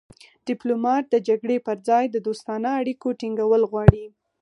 ډیپلومات د جګړې پر ځای د دوستانه اړیکو ټینګول غواړي